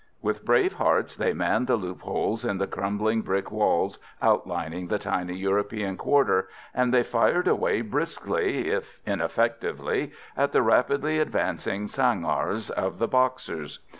With brave hearts they manned the loopholes in the crumbling brick walls outlining the tiny European quarter, and they fired away briskly, if ineffectively, at the rapidly advancing sangars of the Boxers.